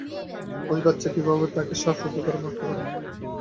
ওই বাচ্চা কীভাবে তাকে শ্বাসরোধ করে মারতে পারে?